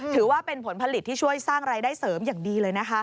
ถือว่าเป็นผลผลิตที่ช่วยสร้างรายได้เสริมอย่างดีเลยนะคะ